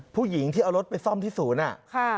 ผู้หญิงที่เอารถไปซ่อมที่ศูนย์อ่ะค่ะ